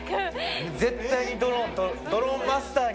絶対にドローンマスターに。